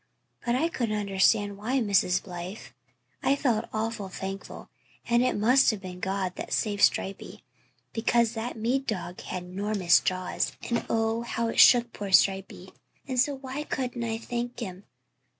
But I couldn't understand why, Mrs. Blythe. I felt awful thankful, and it must have been God that saved Stripey, because that Mead dog had 'normous jaws, and oh, how it shook poor Stripey. And so why couldn't I thank Him?